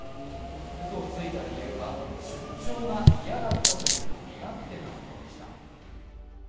うそをついた理由は出張が嫌だったという身勝手なものでした。